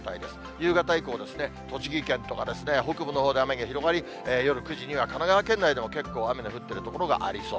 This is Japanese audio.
夕方以降ですね、栃木県とかですね、北部のほうで雨が広がり、夜９時には神奈川県内でも結構、雨の降ってる所がありそう。